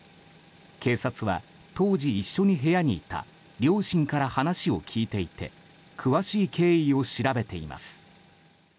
警察は当時一緒に部屋にいた両親から話を聞いていて詳しい経緯を調べています。